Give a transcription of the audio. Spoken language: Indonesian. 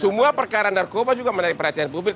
semua perkara narkoba juga menarik perhatian publik